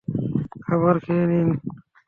খাবার খেয়ে নিন।